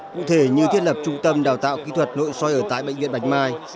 cụ thể như thiết lập trung tâm đào tạo kỹ thuật nội soi ở tại bệnh viện bạch mai